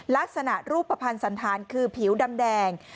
ลักษณะรูปประพันธ์สันทานคือผิวดำแดง